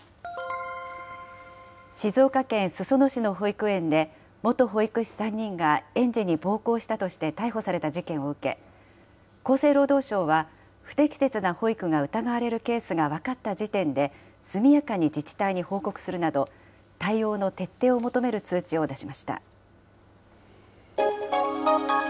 静岡県裾野市の保育園で、元保育士３人が園児に暴行したとして逮捕された事件を受け、厚生労働省は不適切な保育が疑われるケースが分かった時点で、速やかに自治体に報告するなど、対応の徹底を求める通知を出しました。